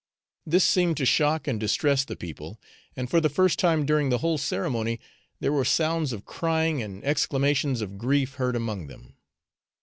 This seemed to shock and distress the people, and for the first time during the whole ceremony there were sounds of crying and exclamations of grief heard among them.